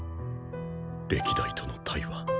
歴代との対話。